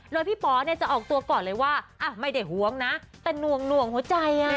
โดยพี่ป๋อเนี่ยจะออกตัวก่อนเลยว่าไม่ได้หวงนะแต่หน่วงหัวใจ